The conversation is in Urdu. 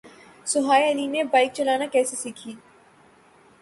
سوہائے علی نے بائیک چلانا کیسے سیکھی